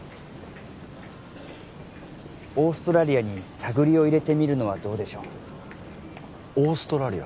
オーストラリアに探りを入れてみるのはどうでしょうオーストラリア？